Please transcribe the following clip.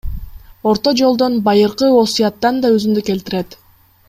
Орто жолдон — Байыркы Осуяттан да үзүндү келтирет.